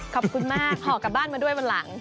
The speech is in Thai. ขอบคุณมากห่อกลับบ้านมาด้วยวันหลัง